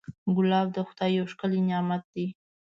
ګلاب د خدای یو ښکلی نعمت دی.